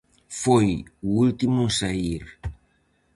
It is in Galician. Foi o último en saír.